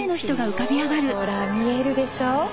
ほら見えるでしょ？